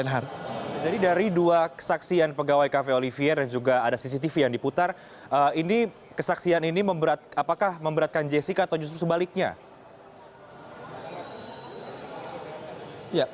jadi dari dua kesaksian pegawai cafe olivier dan juga ada cctv yang diputar kesaksian ini apakah memberatkan jessica atau justru sebaliknya